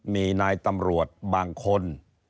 มีนายตำรวจบางคน